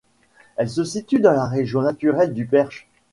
Elle se situe dans la région naturelle du Perche.